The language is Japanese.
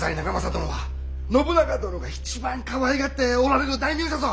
殿は信長殿が一番かわいがっておられる大名じゃぞ！